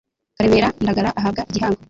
Karemera Ndagara ahabwa igihango